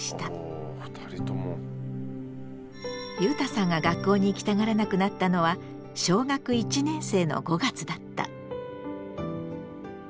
ゆうたさんが学校に行きたがらなくなったのは小学１年生の５月だった。